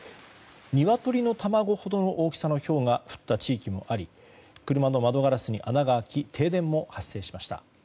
ニワトリの卵ほどのひょうが降った地域もあり車の窓ガラスに穴が開き停電も発生しました。